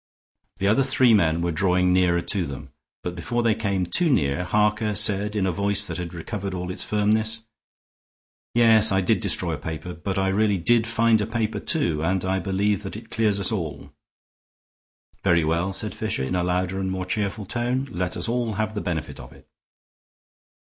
The other three men were drawing nearer to them, but before they came too near, Harker said, in a voice that had recovered all its firmness: "Yes, I did destroy a paper, but I really did find a paper, too; and I believe that it clears us all." "Very well," said Fisher, in a louder and more cheerful tone; "let us all have the benefit of it."